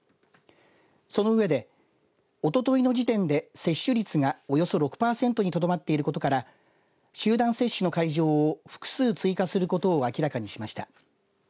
その上でおとといの時点で接種率がおよそ６パーセントにとどまっていることから集団接種の会場を複数追加することを明らかにしました。